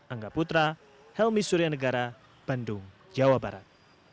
angga putra helmi suryanegara bandung jawa barat